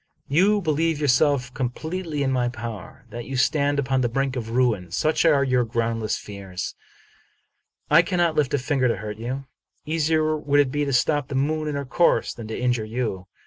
You believe yourself completely in 262 Charles Brockdcn Brown my power ; that you stand upon the brink of ruin. Such are your groundless fears. I cannot hft a finger to hurt you. Easier would it be to stop the moon in her course than to injure you.